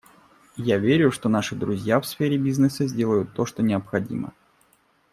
Я верю, что наши друзья в сфере бизнеса сделают то, что необходимо.